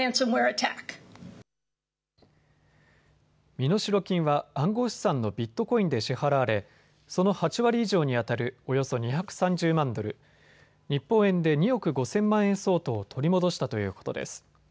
身代金は暗号資産のビットコインで支払われその８割以上にあたるおよそ２３０万ドル、日本円で２億５０００万円相当を取り戻したということです。